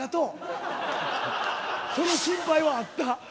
その心配はあった。